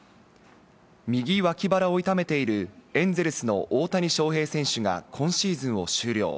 右脇腹を痛めているエンゼルスの大谷翔平選手が今シーズンを終了。